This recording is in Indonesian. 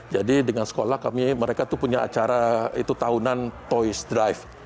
jadi dengan sekolah kami mereka itu punya acara tahunan toys drive